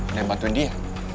ada yang bantuin dia